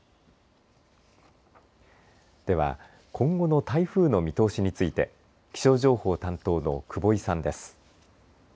では、今後の台風の見通しについて気象情報担当の久保井さんです。